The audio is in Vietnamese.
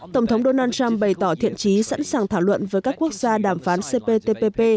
tổng thống donald trump bày tỏ thiện trí sẵn sàng thảo luận với các quốc gia đàm phán cptpp